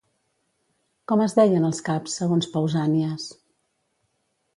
Com es deien els caps, segons Pausànies?